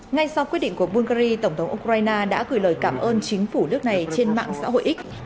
ngay sau quyết định của bungary tổng thống ukraine đã gửi lời cảm ơn chính phủ nước này trên mạng xã hội x